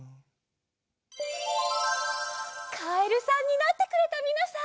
カエルさんになってくれたみなさん。